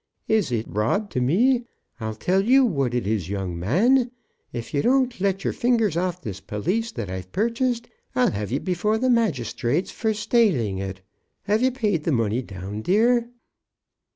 Is it rob to me? I'll tell you what it is, young man, av you don't let your fingers off this pelisse that I've purchased, I'll have you before the magisthrates for stailing it. Have you paid the money down, dear?"